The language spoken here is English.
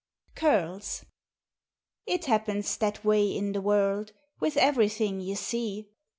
Curls It happens that way in the world With everything you see.